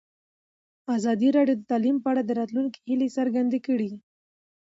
ازادي راډیو د تعلیم په اړه د راتلونکي هیلې څرګندې کړې.